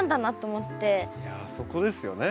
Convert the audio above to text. いやそこですよね。